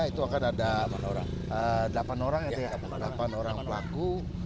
itu akan ada delapan orang pelaku